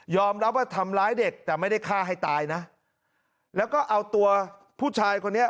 รับว่าทำร้ายเด็กแต่ไม่ได้ฆ่าให้ตายนะแล้วก็เอาตัวผู้ชายคนนี้